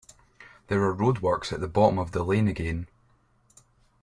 There are roadworks at the bottom of the lane again.